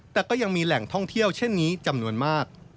แต่ก็ยังมีแหล่งท่องเที่ยวเช่นนี้จำนวนมาก